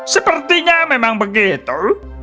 sepertinya memang begitu